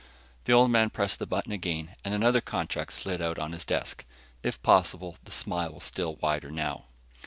The Old Man pressed the button again and another contract slid out on his desk. If possible, the smile was still wider now.